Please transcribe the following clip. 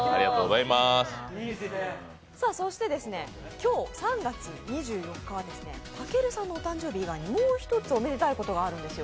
今日３月２４日はたけるさんのお誕生日以外にもう１つおめでたいことがあるんですよ。